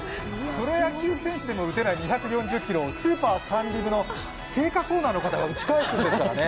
プロ野球選手でも打てない２４０キロをスーパーサンリブの青果コーナーの方が打ち返すんですからね。